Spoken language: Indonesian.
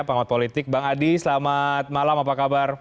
pak mat politik bang adi selamat malam apa kabar